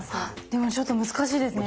でもちょっと難しいですね。